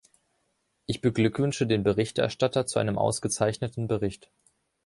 Ich beglückwünsche den Berichterstatter zu einem ausgezeichneten Bericht.